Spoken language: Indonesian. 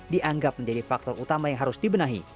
dianggap menjadi faktor utama yang harus dibenahi